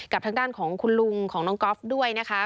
ทางด้านของคุณลุงของน้องก๊อฟด้วยนะคะ